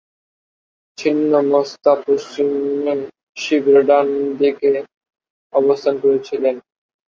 ছিন্নমস্তা পশ্চিমে শিবের ডানদিকে অবস্থান করেছিলেন।